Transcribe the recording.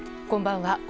こんばんは。